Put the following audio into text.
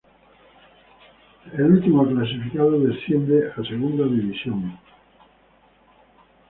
El último clasificado desciende a segunda división.